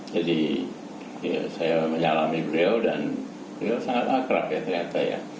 jadi ya saya menyalami beliau dan beliau sangat akrab ya ternyata ya